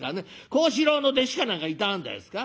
幸四郎の弟子か何かいたんですか？」。